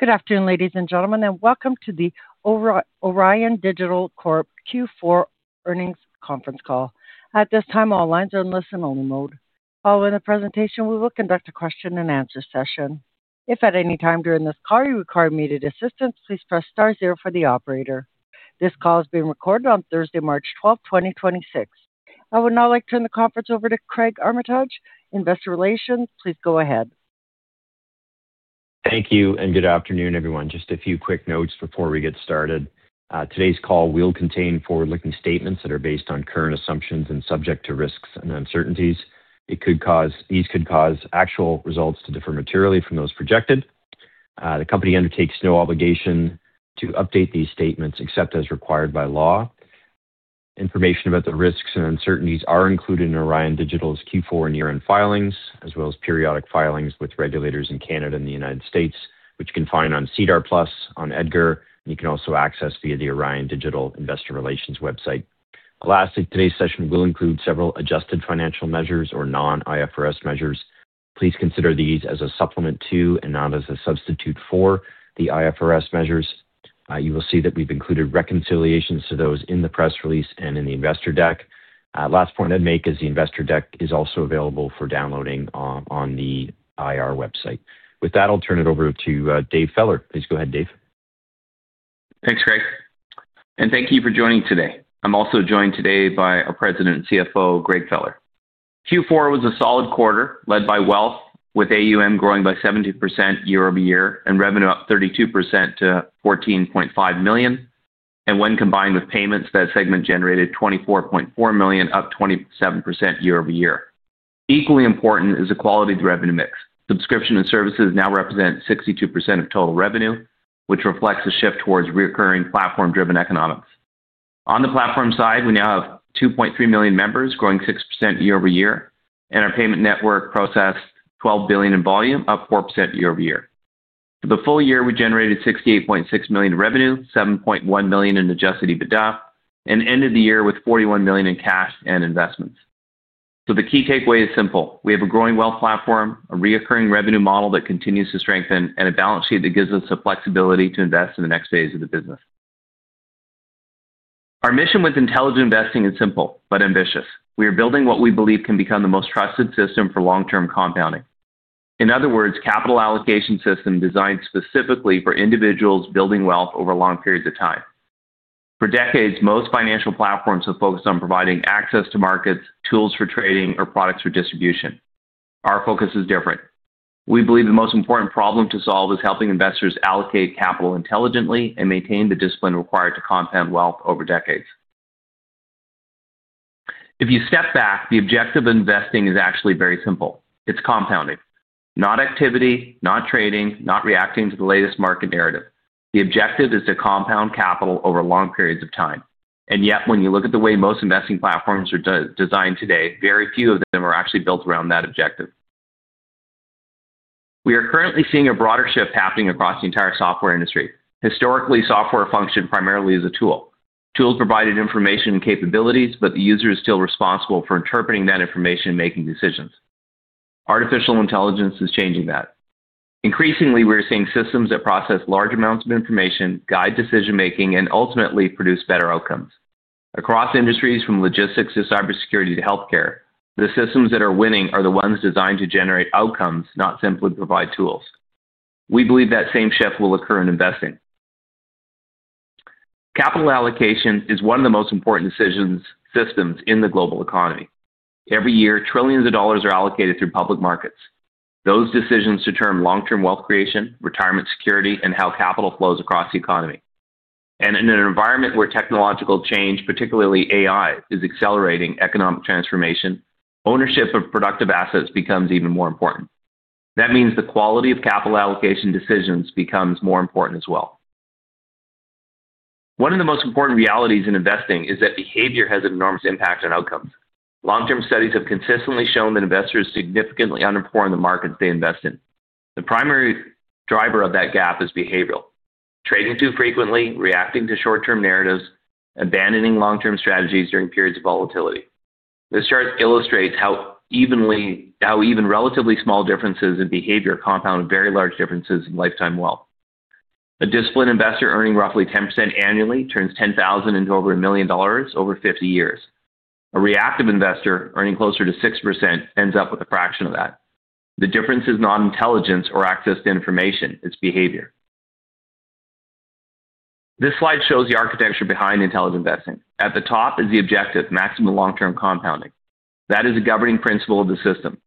Good afternoon, ladies and gentlemen, and welcome to the Orion Digital Corp Q4 Earnings Conference Call. At this time, all lines are in listen-only mode. Following the presentation, we will conduct a question-and-answer session. If at any time during this call you require immediate assistance, please press star zero for the operator. This call is being recorded on Thursday, March twelfth, 2026. I would now like to turn the conference over to Craig Armitage, Investor Relations. Please go ahead. Thank you, and good afternoon, everyone. Just a few quick notes before we get started. Today's call will contain forward-looking statements that are based on current assumptions and subject to risks and uncertainties. These could cause actual results to differ materially from those projected. The company undertakes no obligation to update these statements except as required by law. Information about the risks and uncertainties are included in Orion Digital's Q4 and year-end filings, as well as periodic filings with regulators in Canada and the United States, which you can find on SEDAR+ on EDGAR, and you can also access via the Orion Digital Investor Relations website. Lastly, today's session will include several adjusted financial measures or non-IFRS measures. Please consider these as a supplement to and not as a substitute for the IFRS measures. You will see that we've included reconciliations to those in the press release and in the investor deck. Last point I'd make is the investor deck is also available for downloading on the IR website. With that, I'll turn it over to David Feller. Please go ahead, Dave. Thanks, Craig, and thank you for joining today. I'm also joined today by our President and CFO, Gregory Feller. Q4 was a solid quarter led by wealth, with AUM growing by 70% year-over-year and revenue up 32% to 14.5 million. When combined with payments, that segment generated 24.4 million, up 27% year-over-year. Equally important is the quality of the revenue mix. Subscription and services now represent 62% of total revenue, which reflects a shift towards recurring platform-driven economics. On the platform side, we now have 2.3 million members, growing 6% year-over-year, and our payment network processed 12 billion in volume, up 4% year-over-year. For the full year, we generated 68.6 million in revenue, 7.1 million in adjusted EBITDA, and ended the year with 41 million in cash and investments. The key takeaway is simple. We have a growing wealth platform, a recurring revenue model that continues to strengthen, and a balance sheet that gives us the flexibility to invest in the next phase of the business. Our mission with Intelligent Investing is simple but ambitious. We are building what we believe can become the most trusted system for long-term compounding. In other words, capital allocation system designed specifically for individuals building wealth over long periods of time. For decades, most financial platforms have focused on providing access to markets, tools for trading or products for distribution. Our focus is different. We believe the most important problem to solve is helping investors allocate capital intelligently and maintain the discipline required to compound wealth over decades. If you step back, the objective of investing is actually very simple. It's compounding, not activity, not trading, not reacting to the latest market narrative. The objective is to compound capital over long periods of time. Yet, when you look at the way most investing platforms are de-designed today, very few of them are actually built around that objective. We are currently seeing a broader shift happening across the entire software industry. Historically, software functioned primarily as a tool. Tools provided information and capabilities, but the user is still responsible for interpreting that information and making decisions. Artificial intelligence is changing that. Increasingly, we're seeing systems that process large amounts of information, guide decision-making, and ultimately produce better outcomes. Across industries from logistics to cybersecurity to healthcare, the systems that are winning are the ones designed to generate outcomes, not simply provide tools. We believe that same shift will occur in investing. Capital allocation is one of the most important decision systems in the global economy. Every year, trillions of dollars are allocated through public markets. Those decisions determine long-term wealth creation, retirement security, and how capital flows across the economy. In an environment where technological change, particularly AI, is accelerating economic transformation, ownership of productive assets becomes even more important. That means the quality of capital allocation decisions becomes more important as well. One of the most important realities in investing is that behavior has enormous impact on outcomes. Long-term studies have consistently shown that investors significantly underperform the markets they invest in. The primary driver of that gap is behavioral. Trading too frequently, reacting to short-term narratives, abandoning long-term strategies during periods of volatility. This chart illustrates how even relatively small differences in behavior compound very large differences in lifetime wealth. A disciplined investor earning roughly 10% annually turns 10,000 into over $1 million over 50 years. A reactive investor earning closer to 6% ends up with a fraction of that. The difference is not intelligence or access to information, it's behavior. This slide shows the architecture behind Intelligent Investing. At the top is the objective, maximum long-term compounding. That is a governing principle of the system.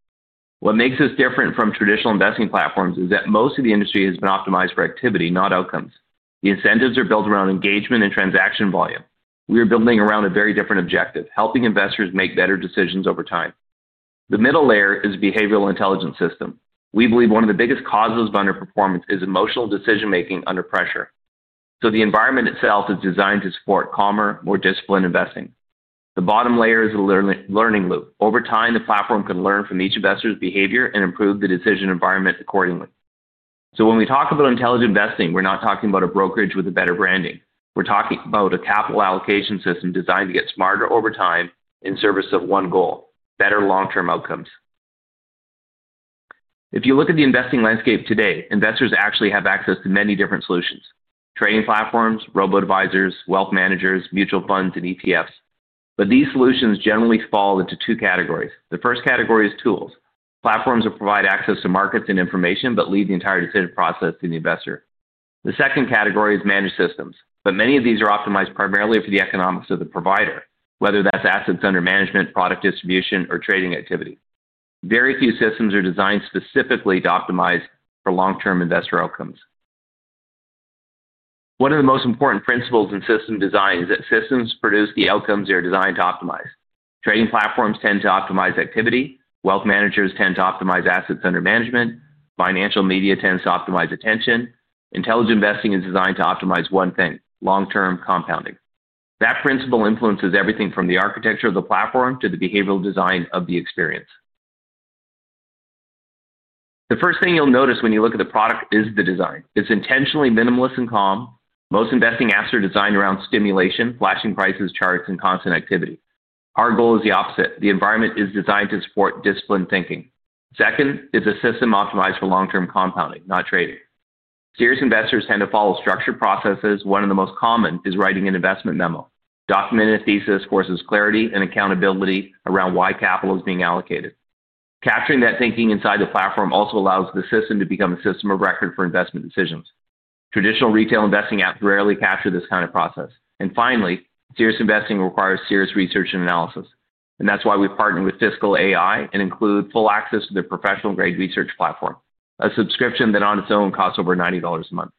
What makes us different from traditional investing platforms is that most of the industry has been optimized for activity, not outcomes. The incentives are built around engagement and transaction volume. We are building around a very different objective, helping investors make better decisions over time. The middle layer is behavioral intelligence system. We believe one of the biggest causes of underperformance is emotional decision-making under pressure. The environment itself is designed to support calmer, more disciplined investing. The bottom layer is a learning loop. Over time, the platform can learn from each investor's behavior and improve the decision environment accordingly. When we talk about Intelligent Investing, we're not talking about a brokerage with a better branding. We're talking about a capital allocation system designed to get smarter over time in service of one goal, better long-term outcomes. If you look at the investing landscape today, investors actually have access to many different solutions. Trading platforms, robo-advisors, wealth managers, mutual funds, and ETFs. These solutions generally fall into two categories. The first category is tools. Platforms that provide access to markets and information, but leave the entire decision process to the investor. The second category is managed systems, but many of these are optimized primarily for the economics of the provider, whether that's assets under management, product distribution, or trading activity. Very few systems are designed specifically to optimize for long-term investor outcomes. One of the most important principles in system design is that systems produce the outcomes they are designed to optimize. Trading platforms tend to optimize activity. Wealth managers tend to optimize assets under management. Financial media tends to optimize attention. Intelligent Investing is designed to optimize one thing, long-term compounding. That principle influences everything from the architecture of the platform to the behavioral design of the experience. The first thing you'll notice when you look at the product is the design. It's intentionally minimalist and calm. Most investing apps are designed around stimulation, flashing prices, charts, and constant activity. Our goal is the opposite. The environment is designed to support disciplined thinking. Second is a system optimized for long-term compounding, not trading. Serious investors tend to follow structured processes. One of the most common is writing an investment memo. Documenting a thesis forces clarity and accountability around why capital is being allocated. Capturing that thinking inside the platform also allows the system to become a system of record for investment decisions. Traditional retail investing apps rarely capture this kind of process. Finally, serious investing requires serious research and analysis, and that's why we partnered with Finchat AI and include full access to their professional-grade research platform, a subscription that on its own costs over $90 a month.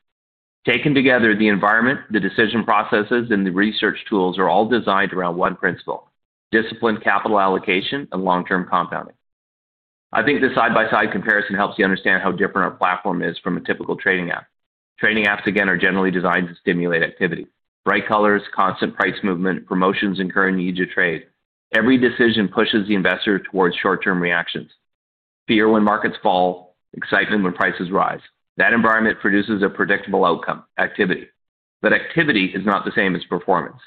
Taken together, the environment, the decision processes, and the research tools are all designed around one principle, disciplined capital allocation and long-term compounding. I think this side-by-side comparison helps you understand how different our platform is from a typical trading app. Trading apps, again, are generally designed to stimulate activity. Bright colors, constant price movement, promotions, and current need to trade. Every decision pushes the investor towards short-term reactions. Fear when markets fall, excitement when prices rise. That environment produces a predictable outcome, activity. Activity is not the same as performance.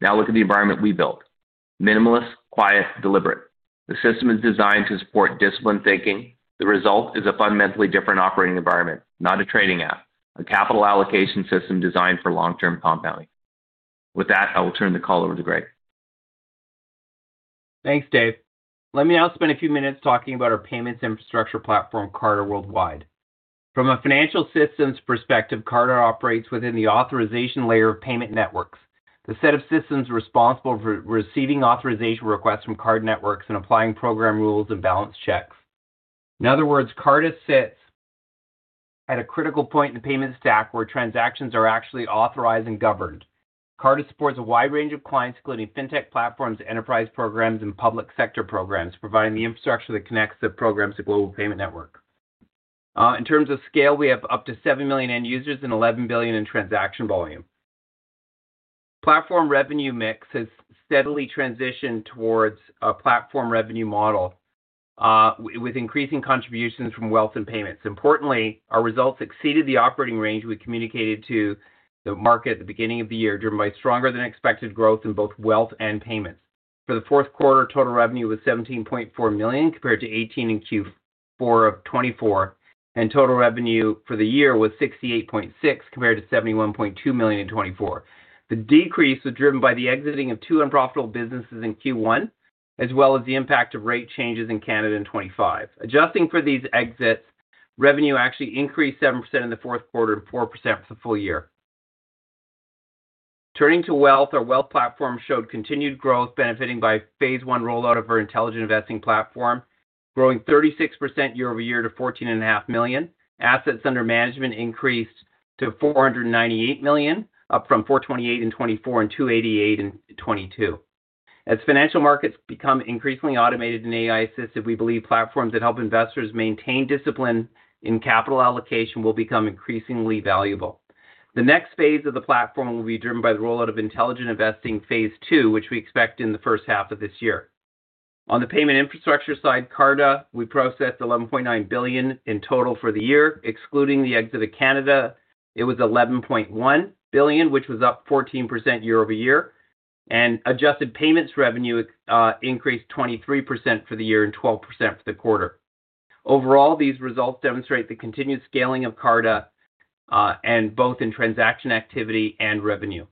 Now look at the environment we built. Minimalist, quiet, deliberate. The system is designed to support disciplined thinking. The result is a fundamentally different operating environment, not a trading app. A capital allocation system designed for long-term compounding. With that, I will turn the call over to Greg. Thanks, Dave. Let me now spend a few minutes talking about our payments infrastructure platform, Carta Worldwide. From a financial systems perspective, Carta operates within the authorization layer of payment networks, the set of systems responsible for receiving authorization requests from card networks and applying program rules and balance checks. In other words, Carta sits at a critical point in the payment stack where transactions are actually authorized and governed. Carta supports a wide range of clients, including fintech platforms, enterprise programs, and public sector programs, providing the infrastructure that connects the programs to global payment network. In terms of scale, we have up to 7 million end users and 11 billion in transaction volume. Platform revenue mix has steadily transitioned towards a platform revenue model, with increasing contributions from wealth and payments. Importantly, our results exceeded the operating range we communicated to the market at the beginning of the year, driven by stronger than expected growth in both wealth and payments. For the fourth quarter, total revenue was 17.4 million compared to 18 million in Q4 of 2024, and total revenue for the year was 68.6 million compared to 71.2 million in 2024. The decrease was driven by the exiting of two unprofitable businesses in Q1, as well as the impact of rate changes in Canada in 2025. Adjusting for these exits, revenue actually increased 7% in the fourth quarter to 4% for the full year. Turning to wealth, our wealth platform showed continued growth benefiting by Phase One rollout of our Intelligent Investing platform, growing 36% year-over-year to 14.5 million. Assets under management increased to 498 million, up from 428 million in 2024 and 288 million in 2022. As financial markets become increasingly automated and AI-assisted, we believe platforms that help investors maintain discipline in capital allocation will become increasingly valuable. The next phase of the platform will be driven by the rollout of Intelligent Investing Phase Two, which we expect in the first half of this year. On the payment infrastructure side, Carta, we processed 11.9 billion in total for the year. Excluding the exit of Canada, it was 11.1 billion, which was up 14% year-over-year. Adjusted payments revenue increased 23% for the year and 12% for the quarter. Overall, these results demonstrate the continued scaling of Carta and both in transaction activity and revenue.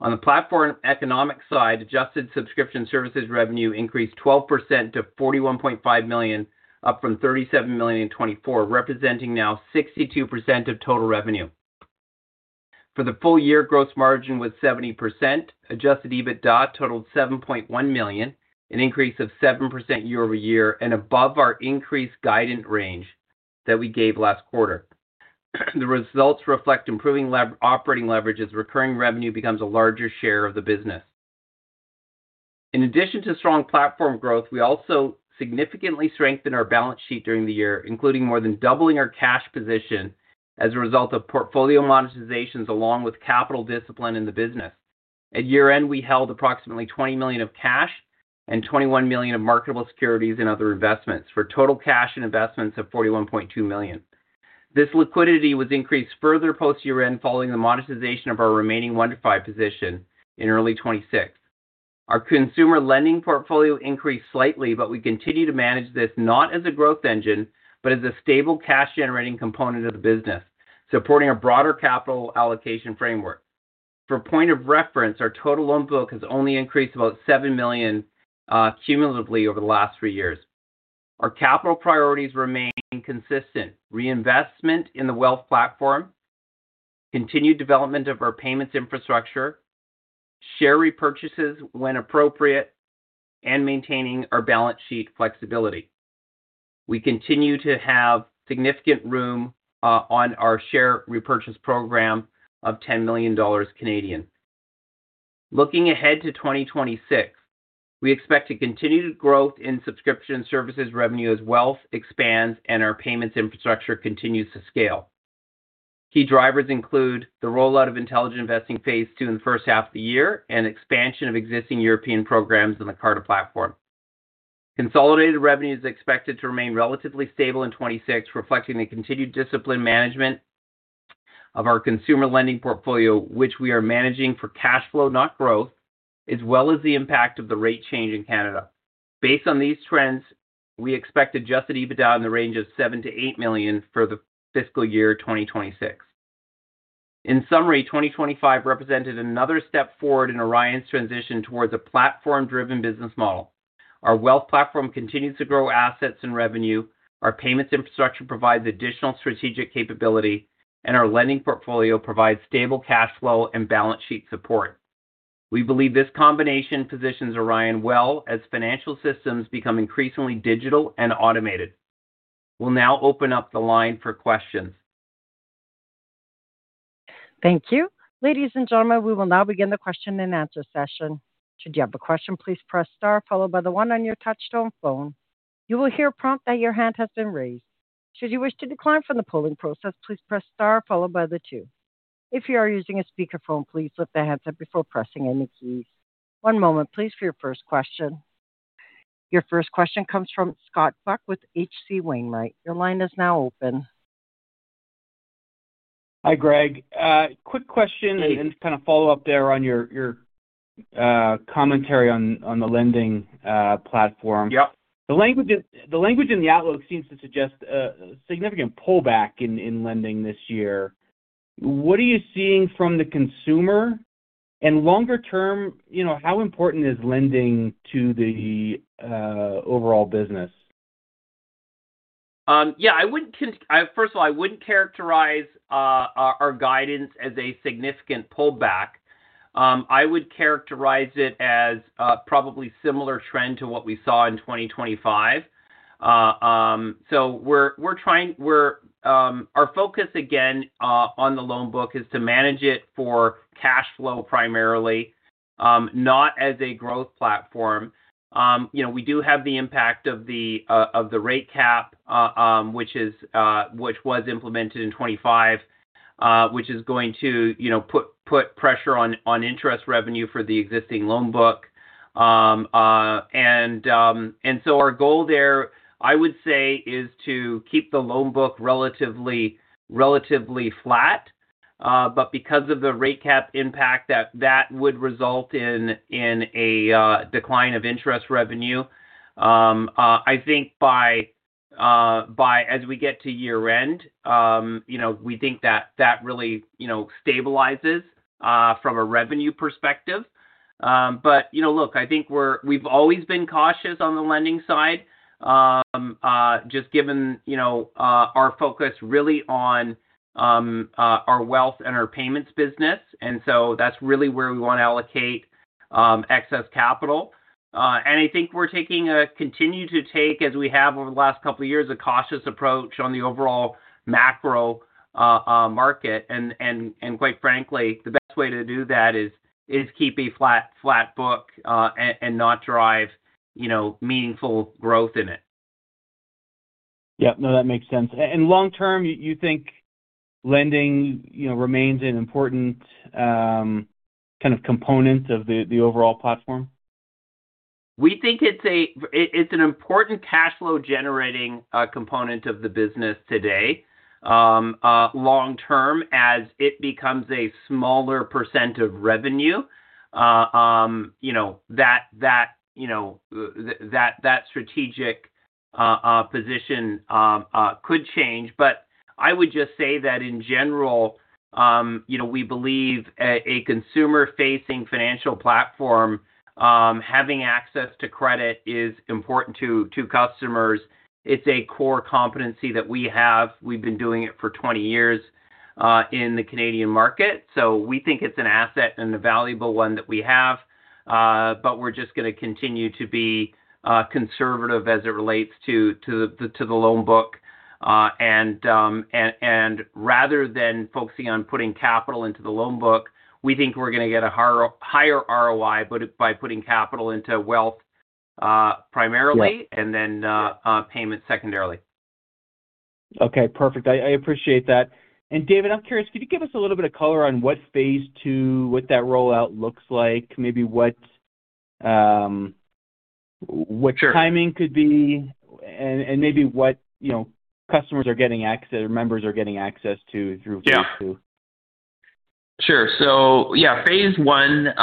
On the platform economic side, adjusted subscription services revenue increased 12% to 41.5 million, up from 37 million in 2024, representing now 62% of total revenue. For the full year, gross margin was 70%. Adjusted EBITDA totaled 7.1 million, an increase of 7% year-over-year and above our increased guidance range that we gave last quarter. The results reflect improving operating leverage as recurring revenue becomes a larger share of the business. In addition to strong platform growth, we also significantly strengthened our balance sheet during the year, including more than doubling our cash position as a result of portfolio monetizations along with capital discipline in the business. At year-end, we held approximately 20 million of cash and 21 million of marketable securities and other investments for total cash and investments of 41.2 million. This liquidity was increased further post year-end following the monetization of our remaining WonderFi position in early 2026. Our consumer lending portfolio increased slightly, but we continue to manage this not as a growth engine, but as a stable cash-generating component of the business, supporting our broader capital allocation framework. For point of reference, our total loan book has only increased about 7 million cumulatively over the last three years. Our capital priorities remain consistent, reinvestment in the wealth platform, continued development of our payments infrastructure, share repurchases when appropriate, and maintaining our balance sheet flexibility. We continue to have significant room on our share repurchase program of 10 million Canadian dollars. Looking ahead to 2026, we expect to continue growth in subscription services revenue as wealth expands and our payments infrastructure continues to scale. Key drivers include the rollout of Intelligent Investing Phase Two in the first half of the year and expansion of existing European programs in the Carta platform. Consolidated revenue is expected to remain relatively stable in 2026, reflecting the continued disciplined management of our consumer lending portfolio, which we are managing for cash flow, not growth, as well as the impact of the rate cap in Canada. Based on these trends, we expect adjusted EBITDA in the range of 7 million-8 million for the fiscal year 2026. In summary, 2025 represented another step forward in Orion's transition towards a platform-driven business model. Our wealth platform continues to grow assets and revenue. Our payments infrastructure provides additional strategic capability, and our lending portfolio provides stable cash flow and balance sheet support. We believe this combination positions Orion well as financial systems become increasingly digital and automated. We'll now open up the line for questions. Thank you. Ladies and gentlemen, we will now begin the question-and-answer session. Should you have a question, please press star followed by the one on your touchtone phone. You will hear a prompt that your hand has been raised. Should you wish to decline from the polling process, please press star followed by the two. If you are using a speakerphone, please lift the handset before pressing any keys. One moment please for your first question. Your first question comes from Scott Buck with H.C. Wainwright. Your line is now open. Hi, Greg. Quick question. Hey. Kind of follow up there on your commentary on the lending platform. Yep. The language in the outlook seems to suggest a significant pullback in lending this year. What are you seeing from the consumer? Longer term, you know, how important is lending to the overall business? First of all, I wouldn't characterize our guidance as a significant pullback. I would characterize it as probably similar trend to what we saw in 2025. Our focus again on the loan book is to manage it for cash flow primarily, not as a growth platform. You know, we do have the impact of the rate cap, which was implemented in 2025, which is going to, you know, put pressure on interest revenue for the existing loan book. Our goal there, I would say, is to keep the loan book relatively flat. Because of the rate cap impact that would result in a decline of interest revenue, I think by as we get to year-end, you know, we think that really stabilizes from a revenue perspective. You know, look, I think we've always been cautious on the lending side, just given, you know, our focus really on our wealth and our payments business. That's really where we wanna allocate excess capital. I think we continue to take, as we have over the last couple of years, a cautious approach on the overall macro market. Quite frankly, the best way to do that is keep a flat book, and not drive, you know, meaningful growth in it. Yeah. No, that makes sense. Long term, you think lending, you know, remains an important kind of component of the overall platform? We think it's an important cash flow-generating component of the business today. Long term, as it becomes a smaller percent of revenue, you know, that strategic position could change. I would just say that in general, we believe a consumer-facing financial platform having access to credit is important to customers. It's a core competency that we have. We've been doing it for 20 years in the Canadian market. We think it's an asset and a valuable one that we have. We're just gonna continue to be conservative as it relates to the loan book. Rather than focusing on putting capital into the loan book, we think we're gonna get a higher ROI by putting capital into wealth, primarily. Yeah. Payment secondarily. Okay, perfect. I appreciate that. David, I'm curious, could you give us a little bit of color on what phase two, what that rollout looks like? Maybe what timing could be and maybe what, you know, customers are getting access or members are getting access to through phase two. Yeah. Sure. Yeah, phase one.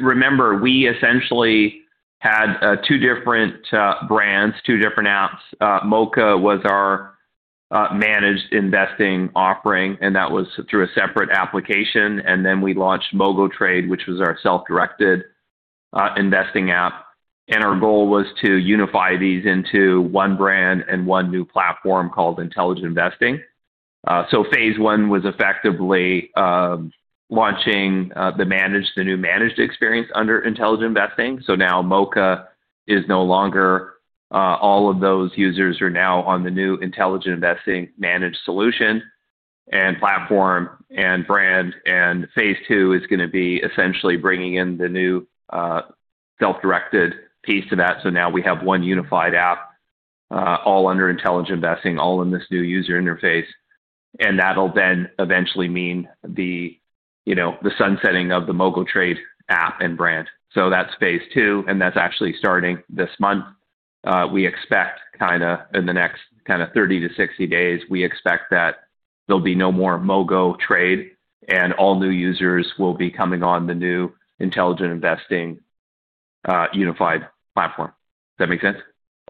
Remember, we essentially had two different brands, two different apps. Moka was our managed investing offering, and that was through a separate application. Then we launched MogoTrade, which was our self-directed investing app. Our goal was to unify these into one brand and one new platform called Intelligent Investing. Phase one was effectively launching the new managed experience under Intelligent Investing. Now Moka is no longer. All of those users are now on the new Intelligent Investing managed solution and platform and brand. Phase two is gonna be essentially bringing in the new self-directed piece to that. Now we have one unified app, all under Intelligent Investing, all in this new user interface. That'll then eventually mean the, you know, the sunsetting of the MogoTrade app and brand. That's Phase Two, and that's actually starting this month. We expect kinda in the next kinda 30-60 days, we expect that there'll be no more MogoTrade and all new users will be coming on the new Intelligent Investing unified platform. Does that make sense?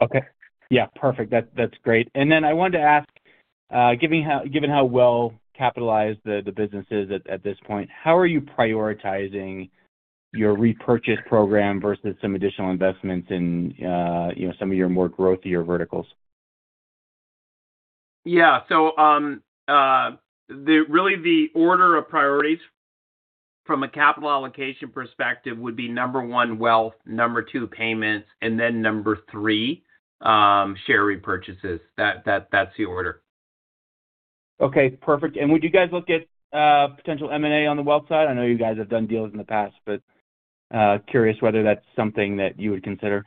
Okay. Yeah, perfect. That, that's great. I wanted to ask, given how well-capitalized the business is at this point, how are you prioritizing your repurchase program versus some additional investments in, you know, some of your more growthier verticals? Yeah. Really the order of priorities from a capital allocation perspective would be number 1one, wealth, number 2, payments, and then number 3, share repurchases. That's the order. Okay, perfect. Would you guys look at potential M&A on the wealth side? I know you guys have done deals in the past, but curious whether that's something that you would consider.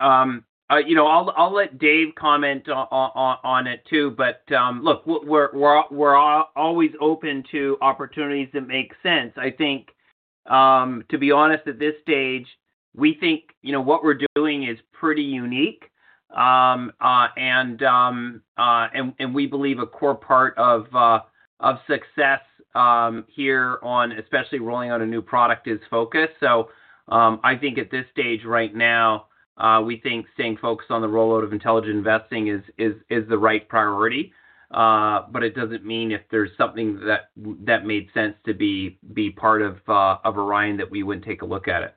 You know, I'll let Dave comment on it too, but look, we're always open to opportunities that make sense. I think, to be honest, at this stage, we think, you know, what we're doing is pretty unique. And we believe a core part of success here, and especially rolling out a new product is focus. I think at this stage right now, we think staying focused on the rollout of Intelligent Investing is the right priority. It doesn't mean if there's something that made sense to be part of Orion that we wouldn't take a look at it.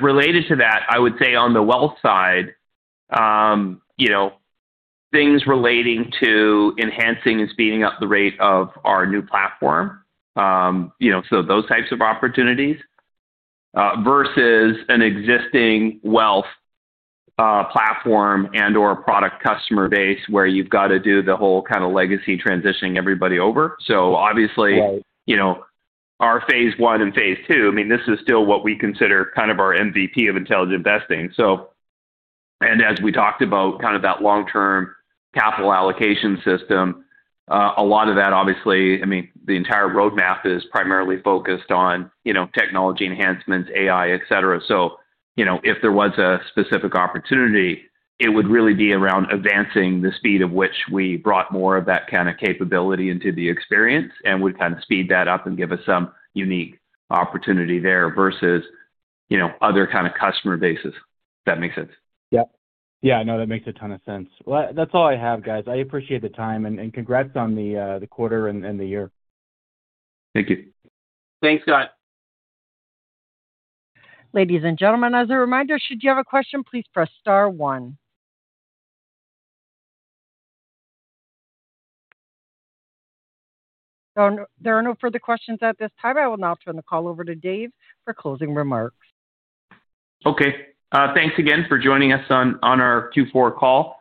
Related to that, I would say on the wealth side, you know, things relating to enhancing and speeding up the rate of our new platform, you know, so those types of opportunities, versus an existing wealth platform and/or product customer base where you've got to do the whole kinda legacy transitioning everybody over. Obviously Right. You know, our phase one and phase two, I mean, this is still what we consider kind of our MVP of Intelligent Investing. As we talked about kind of that long-term capital allocation system, a lot of that, obviously, I mean, the entire roadmap is primarily focused on, you know, technology enhancements, AI, et cetera. You know, if there was a specific opportunity, it would really be around advancing the speed of which we brought more of that kinda capability into the experience and would kinda speed that up and give us some unique opportunity there versus, you know, other kinda customer bases, if that makes sense. Yep. Yeah, no, that makes a ton of sense. Well, that's all I have, guys. I appreciate the time and congrats on the quarter and the year. Thank you. Thanks, Scott. Ladies and gentlemen, as a reminder, should you have a question, please press star one. There are no further questions at this time. I will now turn the call over to David for closing remarks. Okay. Thanks again for joining us on our Q4 call.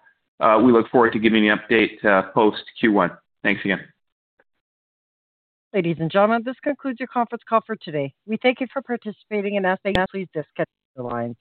We look forward to giving you an update post Q1. Thanks again. Ladies and gentlemen, this concludes your conference call for today. We thank you for participating and ask that you please disconnect your lines.